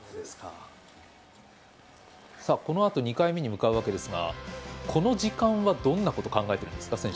このあと２回目に向かうわけですがこの時間はどんなこと考えているんですか？